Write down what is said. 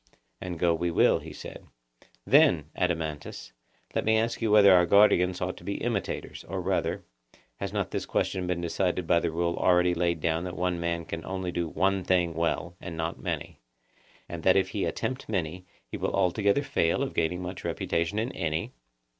And go we will, he said. Then, Adeimantus, let me ask you whether our guardians ought to be imitators; or rather, has not this question been decided by the rule already laid down that one man can only do one thing well, and not many; and that if he attempt many, he will altogether fail of gaining much reputation in any?